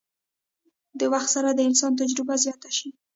د وخت سره د انسان تجربه زياته شي